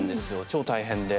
超大変で。